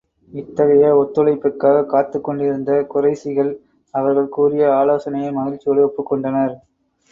இத்தகைய ஒத்துழைப்புக்காகக் காத்துக் கொண்டிருந்த குறைஷிகள், அவர்கள் கூறிய ஆலோசனையை மகிழ்ச்சியோடு ஒப்புக் கொண்டனர்.